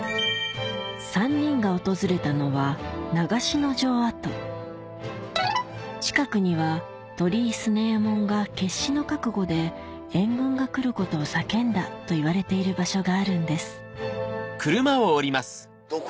３人が訪れたのは近くには鳥居強右衛門が決死の覚悟で援軍が来ることを叫んだといわれている場所があるんですどこ？